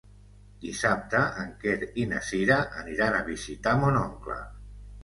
Dissabte en Quer i na Cira aniran a visitar mon oncle.